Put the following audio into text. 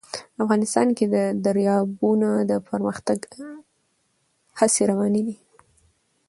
افغانستان کې د دریابونه د پرمختګ هڅې روانې دي.